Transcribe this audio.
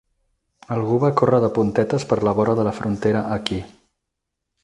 Algú va córrer de puntetes per la vora de la frontera aquí.